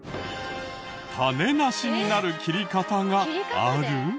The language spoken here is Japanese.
種なしになる切り方がある？